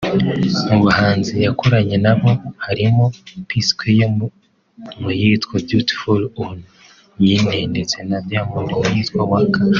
Mu bahanzi yakoranye na bo harimo P Square mu yitwa ’Beautiful Onyinye’ ndetse na Diamond mu yitwa ’Waka’